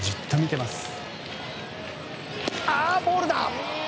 ああボールだ！